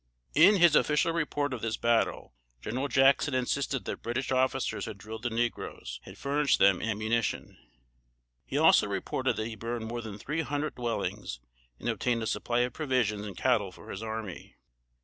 In his official report of this battle, General Jackson insisted that British officers had drilled the negroes, and British traders had furnished them ammunition. He also reported that he burned more than three hundred dwellings, and obtained a supply of provisions and cattle for his army.